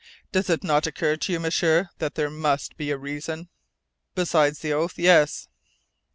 Does it not occur to you, M'sieur, that there must be a reason?" "Besides the oath, yes!"